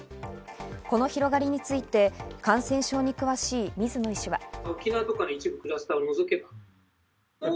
この広がりについて感染症に詳しい水野医師は。